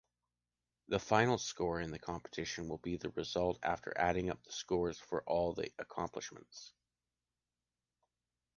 The final score of the competition will be the result after adding up the score for all the accomplishments.